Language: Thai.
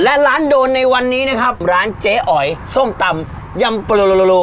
และร้านโดนในวันนี้นะครับร้านเจ๊อ๋อยส้มตำยำโปรโลโล